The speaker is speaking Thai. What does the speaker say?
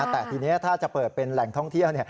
แต่ทีนี้ถ้าจะเปิดเป็นแหล่งท่องเที่ยว